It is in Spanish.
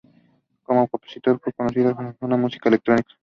Como compositor fue conocido sobre todo por su música electrónica.